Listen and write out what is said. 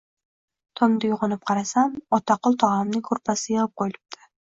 Tongda uyg‘onib qarasam, Otaqul tog‘amning ko‘rpasi yig‘ib qo‘yilibdi